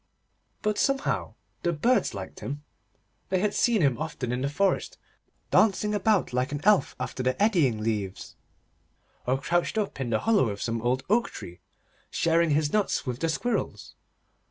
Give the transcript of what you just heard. But somehow the Birds liked him. They had seen him often in the forest, dancing about like an elf after the eddying leaves, or crouched up in the hollow of some old oak tree, sharing his nuts with the squirrels.